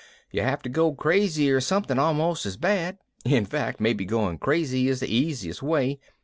"You have to go crazy or something almost as bad in fact, maybe going crazy is the easiest way.